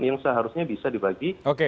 yang seharusnya bisa dibagi